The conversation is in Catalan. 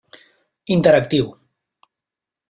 Interactiu: